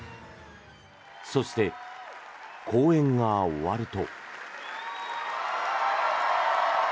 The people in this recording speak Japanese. そして、公演が終わると。